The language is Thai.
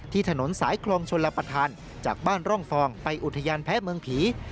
ที่ถนนสายคลองชลปธรรมจากบ้านร่องฟองไปอุทยานแพ้เมืองผี